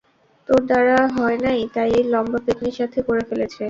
তোর দ্বারা হয় নাই তাই এই লম্বা পেত্নির সাথে করে ফেলেছে।